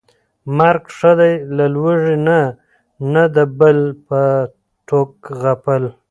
مرګ ښه دى له لوږې نه، نه د بل په ټوک غپل